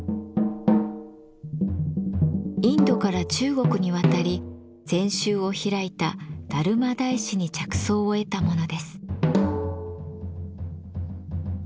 インドから中国に渡り禅宗を開いた達磨大師に着想を得たものです。